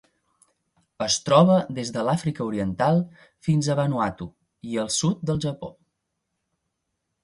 Es troba des de l'Àfrica Oriental fins a Vanuatu i el sud del Japó.